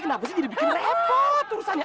kenapa sih jadi bikin repot urusannya